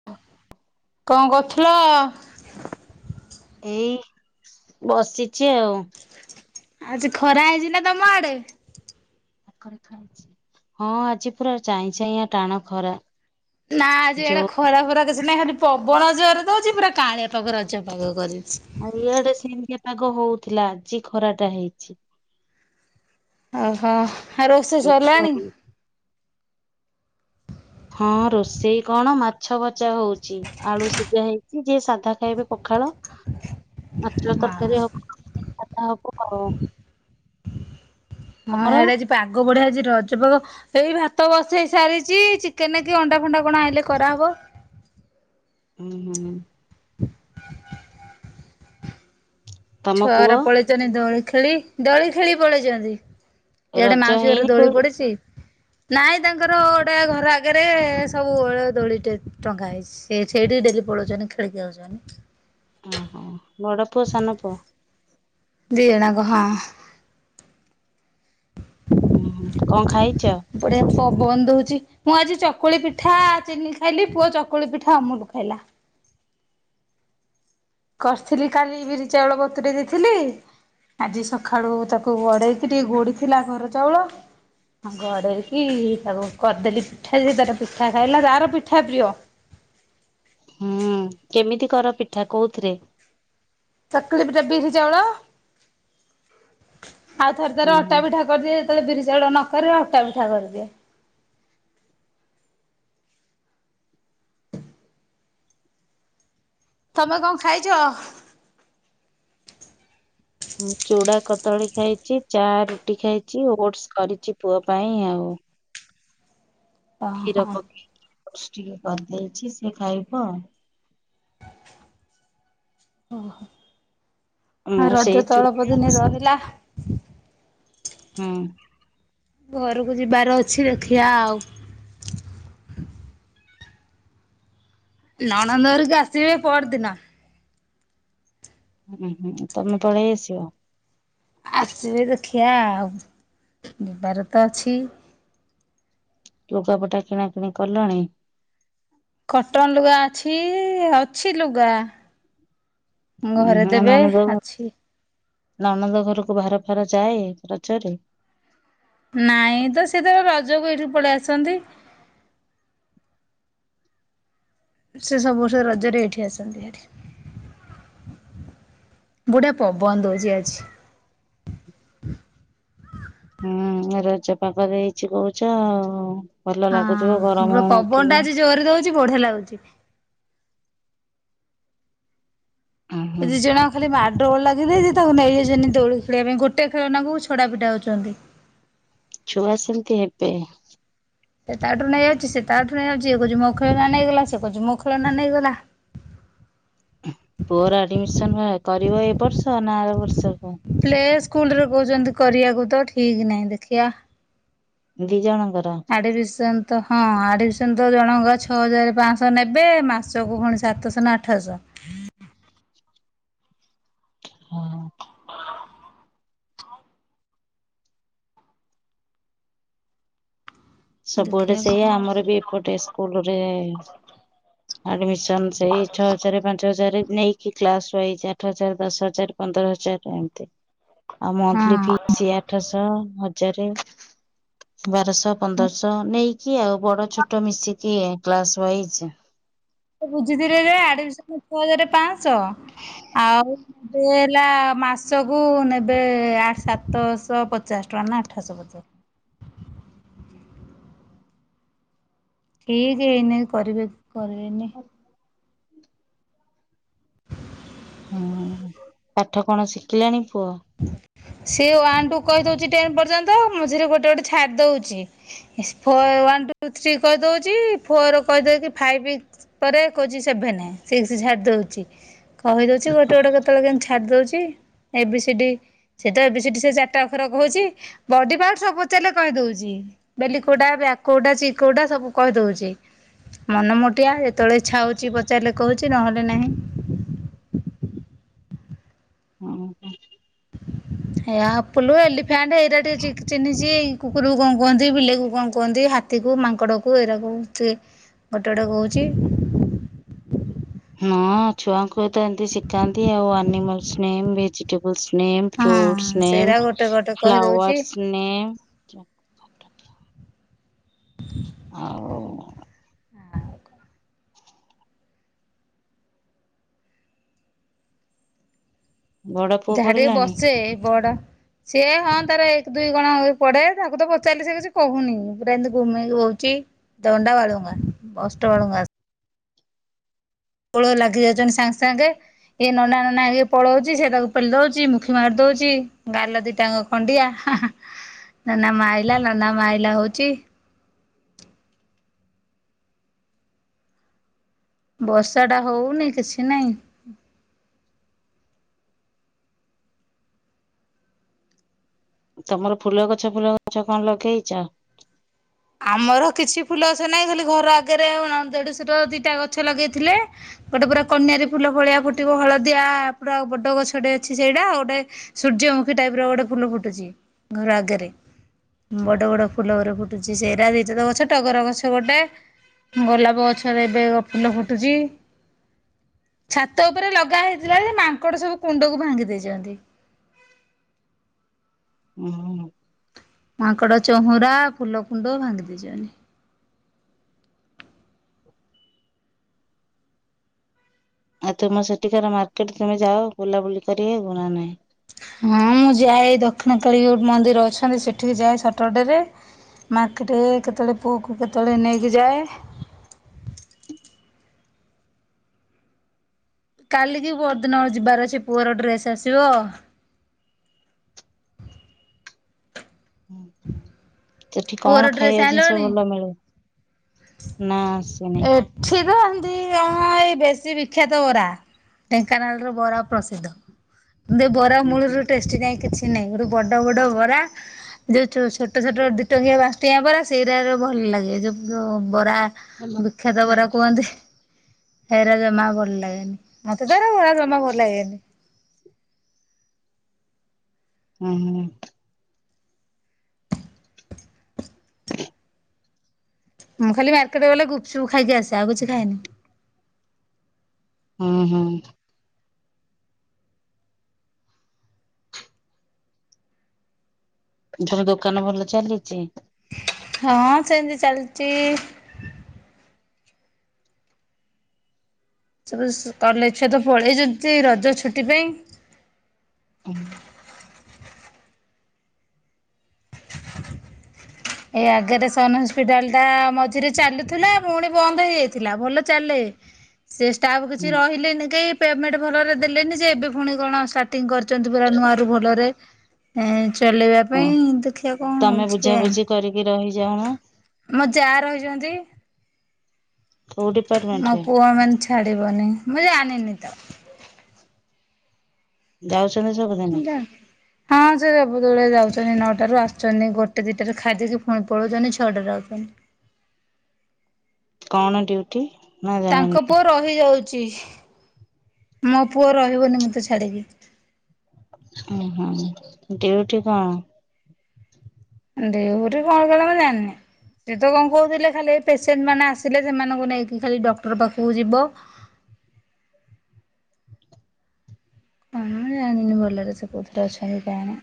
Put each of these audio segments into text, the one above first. [inaudible] କଣ କରୁଥିଲ। ଏଇ ବସିଛି ଆଉ। ଆଜି ଖରା ହେଇଛି ନା ତମ ଆଡେ। ହଁ ଆଜି ପୁରା ଚାଇ ଚାଈ ଆ ଟାଣ ଖରା। ନା ଆଜି ଏଟା ଯୋଉ ଖ ଖରା ଫରା କିଛି ନାଇଁ ଖାଲି ପବନ ଜୋରେ ଦୋଉଛି ପୁରା କାଆଁଳିଆ ପାଗ ରଜପାଗ କରିଛି। ଆଉ ଇଆଡେ ସେମିତି ପାଗ ହଉଥିଲା ଆଜି ଖରାଟା ହେଇଛି। ଓହୋ ଆଉ ରୋଷେଇ ସରିଲାଣି। ହଁ ରୋଷେଇ କଣ ମାଛ ଭଜା ହଉଛି ଆଳୁ ସିଝା ହେଇଛି ଯିଏ ସାଧା ଖାଇବେ ପଖାଳ। ମାଛର ହଁ ହଁ ତରକାରୀ ହବ ଖ ହବ ଆଉ। ହଁ ତମର? ୟାଡେ ଆଜି ପାଗ ବଢିଆ ହେଇଛି ରଜପାଗ। ଏଇ ଭାତ ବସେଇ ସାରିଛି ଚିକେନ୍ କି ଅଣ୍ଡା ଫଣ୍ଡା କଣ ଆଇଲେ କରାହେବ। ହୁଁ ହୁଁ। [inaudible] ତମ ଛୁଆଉରା ପୁଅ ପଳେଇଛନ୍ତି ଦୋଳି ଖେଳି ଦୋଳି ଖେଳି ପଳେଇଛନ୍ତି। ଏଇଆଡେ ରଜ ମାଉସୀ ଘରେ ହେଇନି ଦୋଳି ପଡିଛି। ନାଇଁ ତାଙ୍କର ଗୋଟେ ଘର ଆଗରେ ସବୁ ଓ ଦୋଳି ଟେ ଟଙ୍କା ହେଇଛି। ସେ ସେଇଠି ଡେଲି ପଳୁଛନ୍ତି ଖେଳିକି ଆଉଛନ୍ତି। ଓହୋ ବଡ ପୁଅ ସାନ ପୁଅ। ଦି ଜଣା ଙ୍କ ହଁ। ହୁଁ ହୁଁ କଣ ଖାଇଛ। ବଢିଆ ପବନ ଦୋଉଚି। ମୁଁ ଆଜି ଚକୁଳି ପିଠା ଚିନି ଖାଇଲି ପୁଅ ଚକୁଳି ପିଠା ଅମୁଲ ଖାଇଲା। କରିଥିଲି କାଲି ବିରି ଚାଉଳ ବତୁରେ ଦେଇଥିଲି। ଆଜି ସଖାଳୁ ତାକୁ ଗଡେଇକି ଟିକେ ଗୋଡିଥିଲା ଘର ଚାଉଳ। ହଁ ଗଡେଇ କି ତାକୁ କରିଦେଲି ପିଠା ସେତାର ପିଠା ଖାଇଲା ତାର ପିଠା ପ୍ରିୟ। ହୁଁ କେମିତି କର ପିଠା କୋଉଥିରେ। ଚକୁଳି ପିଠା ବିରି ଚାଉଳ ଆଉ ଥରେ ଥରେ ହୁଁ ହୁଁ ଅଟା ପି ଠା। କରିଦି ଯେତବେଳେ ବିରି ଚାଉଳ ନକରେ ଅଟା ପିଠା କରିଦିଏ। ତମେ କଣ ଖାଇଛ। ମୁଁ ଚୁଡା କଦଳୀ ଖାଇଛି ଚା ରୁଟି ଖାଇଛି ଓଟସ କରିଛି ପୁଅ ପାଇଁ ଆଉ। କ୍ଷୀର ଓହୋ ପକେଇକି ଓଟସ ଟିକେ କରିଦେଇଛି ସେ ଖାଇବ ଅ। ଓହୋ ଆଉ ମୁଁ ସେଇ ରଜ ତ ଚୁ ଅଳପ ଦିନି ରହିଲା। ହୁଁ। ଘରକୁ ଯିବାର ଅଛି ଦେଖିଆ ଆଉ। ନଣନ୍ଦ ହେରିକା ଆସିବେ ପର ଦିନ। ହୁଁ ହୁଁ ତମେ ପଳେଇ ଆସିବ। ଆସିବେ ଦେଖିିଆ ଆଉ ଯିବାର ତ ଅଛି। ଲୁଗାପଟା କିଣା କିିଣି କଲଣି। କଟନ ଲୁଗା ଅଛି ଅଛି ଲୁଗା। ଉଁ ଘରେ ହୁଁ ଦେବେ ନଣନ୍ଦ ଘ ଅଛି। ନଣନ୍ଦ ଘରକୁ ଭାର ଫାର ଯାଏ ରଜରେ। ନାଇଁ ତ ସେ ତ ରଜକୁ ଏଇଠି ପଳେଇ ଆସନ୍ତି। ସେ ସବୁ ବର୍ଷ ରଜରେ ଏଇଠି ଆସନ୍ତି ହାରି। ଗୋଟେଆ ପବନ ଦଉଛି ଆଜି। [unintelligible] ହୁଁ ରଜ ପାଗ ଦେଇଛି କହୁଛ ଆଉ। ଭଲ ଲାଗୁଥିବ ଗରମ ହଉନଥିବ। ଜୋରେ ଦଉଛି ବଢିଆ ଲାଗୁଛି। ଉଁ ଏ ହୁଁ ଦି ଜଣ ଖାଲି ମାଡୋଗଳ ଲାଗିଯାଇଛି ତାକୁ ନେଇଯାଇଛନ୍ତି ଦଉଳି ଖେିବା ପାଇଁ ଗୋଟେ ଖେଳନାଙ୍କୁ ଛଡ଼ା ପିଟା ହେଉଛନ୍ତି। ଛୁଆ ସେମିତି ହେବେ। ସେ ତାଠୁ ରୁ ନେଇଯାଉଛି ସେ ତାଠୁ ନେଇଯାଉଛି ଏ କହୁଚି ମୋ ଖେଳନା ନେଇଗଲା ସେ କୋଚି ମୋ ଖେଳନା ନେଇଗଲା। ପୁଅର ଆଡମିସନ କରିବ ଏ ବର୍ଷ ନା ଆର ବର୍ଷକୁ। ପ୍ଲେ ସ୍କୁଲରେ କହୁଛନ୍ତି କରିବାକୁ ତ ଠିକ ନାହିଁ ଦେଖିବା। ଦି ଜଣଙ୍କର। ଆଡ଼ମିସନ୍ ତ ହଁ ଆଡ଼ମିସନ୍ ତ ଜଣଙ୍କ ଛଅ ହଜାର ପାଞ୍ଚଶହ ନେବେ ମାସକୁ ପୁଣି ସାତଶ ହ ନା ଆଠ ସହ। ହଁ। ସବୁଆଡେ ଦେଖିବା ସେଇଆ ଆମର କଣ ବି ଏପଟେ ସ୍କୁଲରେ ଆଡମିସନ୍ ସେଇ ଛଅ ହଜାର ପାଞ୍ଚ ହଜାର ନେଇ କି କ୍ଲାସ୍ ୱଇଜ ଆଠ ହଜାର ଦଶ ହଜାର ପନ୍ଦର ହଜାର ଟଙ୍କା ଏମତି ଆଉ ମନ୍ଥଲି ଫି ଫି ଆଠଶହ ହଜାରେ ବାରଶହ ପନ୍ଦରଶହ ନେଇ କି ଆଉ ବଡ ଛୋଟ ମିଶିକି ଇ କ୍ଲାସ ୱାଇଜ୍। ସେ ବୁଝିଥିଲେ ଯେ ଆଡିମିସନ୍ ଛଅ ହଜାର ପାଞ୍ଚଶହ ଆଉ ଏ ହେଲା ମାସ କୁ ନେବେ ଆ ସାତଶହ ପଚାଶ ଟଙ୍କା ନା ଆଠଶହ ପଚାଶ। ଠିକ ହେଇନେଇ କରିବେ କି କରିବେନି। [inaudible] ହୁଁ ପାଠ କଣ ଶିଖିଲାଣି ପୁଅ। ସେ ୱାନ୍ ଟୁ କହିଦଉଛି ଟେନ ପର୍ଯ୍ୟନ୍ତ ମଝିରେ ଗୋଟେ ଗୋଟେ ଛାଡି ଦଉଛି। ଫୋର୍ ୱାନ୍ ଟୁ ଥ୍ରୀ କହିଦଉଛି ଫୋର କହିଦେଇକି ଫାଇଭ୍ ପରେ କହୁଛି ସେଭେନ ସିକ୍ସ ଛାଡ଼ି ଦଉଛି। କହିଦଉଛି ଗୋଟେ ଗୋଟେ କେତେବେଳେ କେମତି ଛାଡି ଦଉଛି ଏ ବି ସି ଡି ସେତ ଏ ବି ସି ଡି ସେ ଚାରିଟା ଅକ୍ଷର କହୁଛି ବଡି ପାର୍ଟ ସବୁ ପଚାରିଲେ କହିଦଉଛି। ବେଲି କୋଉଟା ବ୍ୟାକ କୋଉଟା ଚୀକ୍ କୋଉଟା ସବୁ କହିଦଉଛି। ମନ ମୋଟିଆ ଯେତେବେଳେ ଇଚ୍ଛା ହଉଛି ପଚାରିଲେ କହୁଛି ନହେଲେ ନାହିଁ। ହଁ ହ। ଏ ଆପଲ ଏଲିଫ୍ୟାଣ୍ଟ ଏଇରା ଟିକେ ଚି ଚିନ୍ହିଛି। କୁକୁରକୁ କଂ କୁହନ୍ତି ବିଲେଇକୁ କାଂ କୁହନ୍ତି ହାତୀକୁ ମାଙ୍କଡ କୁ ଏଇରାକୁ ସି ଗୋଟେ ଗୋଟେ କହୁଛି। ହ ଛୁଆଙ୍କୁ ତ ଏମିତି ଶିଖାନ୍ତି ଆଉ animals name vegetables name ହଁ ଫ୍ରୁଟ୍ସ ନେମ୍ ସେଇରା ଗୋଟେ ଗୋଟେ କହିଦଉଚି ଫ୍ଲାୱର୍ସ ନେମ୍। [inaudible] ଆଉ ବଡ ପୁଅ ଯାହା ଟିକେ ପଢିଲାଣି? ବର୍ଷେ ଏଇ ବଡ଼ ସେଏ ହଁ ତାର ଏକ ଦୁଇ କଣ ପଡେ ତାକୁ ତ ପଚାରିଲେ ସେ କିଛି କହୁନି ପୁରା ଏମିତି ଘୁମେଇକି ବଉଛି। ଦଣ୍ଡା ବାଳୁଙ୍ଗା ସ୍ପଷ୍ଟ ବାଳୁଙ୍ଗା ନୁହେଁ। କୁଳରେ ଲାଗି ଯାଉଚନ୍ତି ସାଙ୍ଗେ ସାଙ୍ଗେ ଇଏ ନନା ନନା ହେଇକି ପଳଉଚି ସେ ତାକୁ ପେଲି ଦଉଚି ମୁଖି ମାରି ଦଉଚି ଗାଲ ଦିଟାଙ୍କ ଖଣ୍ଡିଆ ନନା ମାଇଲା ନନା ମାଇଲା ହଉଚି। ବର୍ଷା ଟା ହଉନି କିଛି ନାଇଁ। ତମର ଫୁଲ ଗଛ ଫୁଲ ଗଛ କଣ ଲଗେଇଚ? ଆମର କିଛି ଫୁଲ ଗଛ ନାହିଁ ଖାଲି ଘର ଆଗରେ ଦେଢସୁର ର ଦିଟା ଫୁଲ ଗଛ ଲଗେଇଥିଲେ। ଗୋଟେ ପୁରା କନ୍ୟାରୀ ଫୁଲ ଭଳିଆ ପୁଟିବ ହଳଦିଆ ପୁରା ବଡ ଗଛଟେ ଅଛି ସେଇଟା ଆଉ ଗୋଟେ ସୂର୍ଯ୍ୟମୁଖୀ ଟାଇପ୍ ର ଗୋଟେ ଫୁଲ ଫୁଟୁଛି ଘର ଆଗରେ ବଡ ବଡ ଫୁଲ ଗୋରେ ଫୁ ସେଇରା ଦିଇଟାତ ଗଛ ଟଗର ଗଛ ଗୋଟେ ଗୋଲାପ ଗଛରେ ଏବେ ଫୁଲ ଫୁଟୁଛି। ଛାତ ଉପରେ ଲଗା ହେଇଥିଲା ଯେ ମାଙ୍କଡ଼ ସବୁ କୁଣ୍ଡକୁ ଭାଙ୍ଗି ଦେଇଚନ୍ତି। ମୁଁ ମାଙ୍କଡ ଚହୁରା ଫୁଲ କୁଣ୍ଡ ଭାଙ୍ଗିଦେଇଚନ୍ତି। ଆଉ ତୁମ ସେଠିକାର ମାର୍କେଟ କେମିତି ଯାଅ ବୁଲାବୁଲି କରିବାକୁ ନା ନାହିଁ? ହଁ ମୁଁ ଯାଏ ଦକ୍ଷିଣକାଳୀ ମନ୍ଦିର ଅଛନ୍ତି ସେଠିକି ଯାଏ ସଟରର୍ଡେରେ। ମାର୍କେଟେ ଏ କେତେବେଳେ ପୁଅକୁ କେତେବେଳେ ନେଇକି ଯାଏ। କାଲିକି ପହରଦିନ ଆଡେ ଯିବାର ଅଛି ପୁଅର ଡ୍ରେସ୍ ଆସିବ। [inaudible] ସେଠି ପୁଅର କଣ ଡ୍ରେସ୍ ଖାଇବା ଜିନିଷ ଆଣିଲଣି? ଭଲ ମିଳେ ନା ସ ଏଠି ତ ହେଏମିନ୍ତି ଯାହା ଏଇ ବେଶୀ ବିଖ୍ୟାତ ବରା। ଢେଙ୍କାନାଳ ର ବରା ପ୍ରସିଦ୍ଧ କିନ୍ତୁ ବରା ହୁଁ ହୁଁ ମୂଳରୁ ଟେଷ୍ଟି ନାଇଁ କିଛି। କିଛି ନାହିଁ ଗୋଟେ ବଡ଼ ବଡ଼ ବରା ଯୋଉ ଛୋଟ ଛୋଟ ଦିଇଟଙ୍କିଆ ପାଞ୍ଚ ଟଙ୍କିଆ ପରା ସେଇଟା ଭଲ ଲାଗେ ଯୋଉ ବରା ବିଖ୍ୟାତ ବରା କୁହନ୍ତି। ହେରା ଜମା ଭଲ ଲାଗେନି ମତେ ତ ହେରା ଜମା ଭଲ ଲାଗେନି। ହୁଁ ହୁଁ। ମୁଁ ଖାଲି ମାର୍କେଟେ ଗଲେ ଗୁପଚୁପ୍ ଖାଇକି ଆସେ ଆଉ କିଛି ଖାଏନି। ହଁ ହଁ। ଏଥର ଦୋକାନ ଭଲ ଚାଲିଛି? ହଁ ସେମିତି ଚାଲିଛି ସବୁ କଲେଜ୍ ଛୁଆ ତ ପଳେଇଛନ୍ତି ରଜ ଛୁଟି ପାଇଁ। ହୁଁ। ଏ ଆଗରେ ସନ୍ ହସ୍ପିଟାଲଟା ମଝିରେ ଚାଲୁଥିଲା ପୁଣି ବନ୍ଦ ହେଇଯାଇଥିଲା ଭଲ ଚାଲେ। [inaudible] ସେ ଷ୍ଟାଫ୍ ହୁଁ କିଛି ରହିଲେନି କେହି ପେମେଣ୍ଟ ଭଲରେ ଦେଲେନି ଯେ ଏବେ ପୁଣି କଣ ଷ୍ଟାର୍ଟିଂ କରି ଅଛନ୍ତି ପରା ନୂଆରୁ ଭଲରେ ହେଁ ଚଲେଇବା ଓ ପାଇଁ ଦେଖିବା କଣ ତମେ ହେଉଛି କେଜାଣି ବୁଝାବୁଝି କରିକି ରହିଯାଉନ? ମୋ ଯା ରହିଛନ୍ତି। କଉଠି? ମୋ ପୁଅ ମାନେ ଛାଡିବନି ମୁଁ ଜାଣିନି ତ। ଯାଉଛନ୍ତି ସବୁ? ମୁଁ ଯାଣିନି। ହଁ ସେ ସବୁବେଳେ ଯାଉଚନ୍ତି ନଅଟାରୁ ଆସୁଚନ୍ତି ଗୋଟେ ଦିଟାରେ ଖାଇଦେଇକି ପୁଣି ପଳଉଚନ୍ତି ଛଅଟାରେ ଆଉଚନ୍ତି କଣ ଡ୍ୟୁଟି? ନା ଜାଣିନ? ତାଙ୍କ ପୁଅ ରହିଯାଉଛି ମୋ ପୁଅ ରହିବନି ମୋତେ ଛାଡ଼ିକି। ଉଁ ହୁଁ ଡିୟୁଟି କଣ? ଡିୟୁଟି କଣ କରେ ମୁ ଜାଣିନି। ସେ ତ କଣ କହୁଥିଲେ ଖାଲି ପେସେଣ୍ଟ ମାନେ ଆସିଲେ ସେମାନଙ୍କୁ ନେଇକି ଖାଲି ଡକ୍ଟର ପାଖକୁ ଯିବ। ମୁଁ ଜାଣିନି ଭଲରେ ସେ କହୁଥିରେ ଅଛନ୍ତି କି କଣ।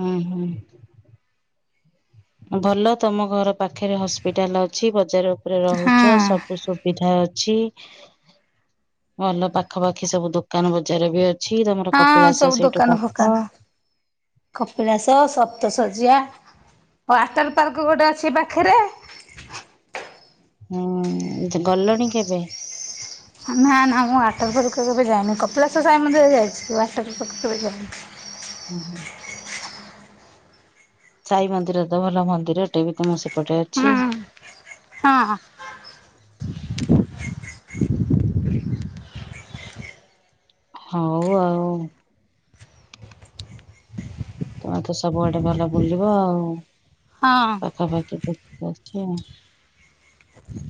ହୁଁ ହୁଁ। ଭଲ ତମ ଘର ପାଖରେ ହସ୍ପିଟାଲ ଅଛି, ବଜାର ଉପରେ ହଁ। ରହୁଚ, ସବୁସୁବିଧା ଅ ଅଛି, ଭଲ ପାଖାପାଖି ସବୁ ଦୋକାନ ବଜାର ବି ଅ ଛି ତମର ହଁ କପିଳାସ ସବୁ ସେଇଠୁ ପାଖ। କପିଳାଶ ସପ୍ତଶଯ୍ୟା, ୱେଟର ପାର୍କ ଗୋଟେ ଅଛି ପାଖରେ। ହୁଁ ଗଲଣି କେବେ? ନା ନା ମୁଁ ୱାଟର ପାର୍କ କେବେ ଯାଇନି, କପିଳାସ ସାଇ ମନ୍ଦିର ଯାଇଚି ୱାଟର ପାର୍କ କେବେ ଯାଇନି। ହୁଁ ହୁଁ। ସାଇ ମନ୍ଦିର ତ ଭଲ ମନ୍ଦିର ଏଟେ ବି ତମ ସେପଟେ ଅଛି। ହୁଁ ହଁ। ହୋଉ ଆଉ। ତମେ ତ ସବୁଆଡେ ଭଲ ବୁଲିବ ଆଉ। ହଁ। ଖବାର କି ପଛ [unintelligible]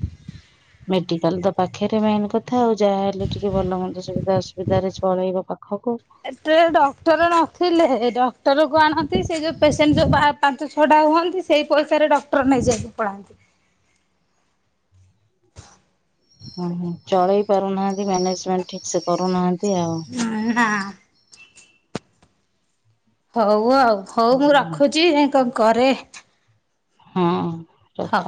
ମେଡିକାଲ ତ ପାଖରେ ମେନ୍ କଥା ଆଉ ଯାହାହଲେ ଟିକେ ଭଲ ମନ୍ଦ ସୁବିଧା ଅସୁବିଧାରେରେ ଚଳେଇବ ପାଖ ଖ [unintelligible] ଏଥିର ଡକ୍ଟର ନଥିଲେ ଡକ୍ଟରକୁ ଆଣନ୍ତି ସେ ଯେଉଁ ପେସେଣ୍ଟ ବା ପାଞ୍ଚ ଛଟା ହୁଅନ୍ତି ସେଇ ପଇସାରେ ଡକ୍ଟର ନେଇଯାଆନ୍ତି। ଓ ଚଳେଇ ପାରୁନାହାନ୍ତି ମ୍ୟାନେଜମେଣ୍ଟ ଠିକ ସେ କରୁନାହାନ୍ତି ଆଉ। ହଁ ହଁ ନା। ହଉ ଆଉ ହଉ ମୁଁ ରଖୁଛି [unintelligible] କରେ ହଁ ରଖ। ହଉ।